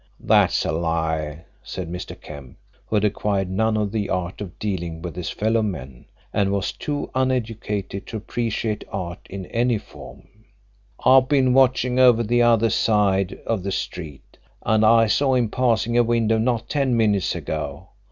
"That's a lie!" said Mr. Kemp, who had acquired none of the art of dealing with his fellow men, and was too uneducated to appreciate art in any form. "I've been watching over the other side of the street, and I saw him passing a window not ten minutes ago.